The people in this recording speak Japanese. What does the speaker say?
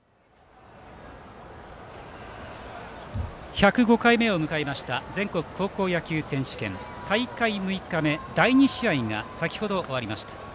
１０５回目を迎えました全国高校野球選手権大会６日目第２試合が先程、終わりました。